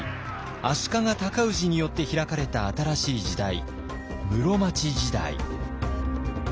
足利尊氏によって開かれた新しい時代室町時代。